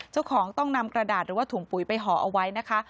เจ้าของต้องนำกระดาษหรือว่าถุงปุ๋ยไปห่อเอาไว้นะคะ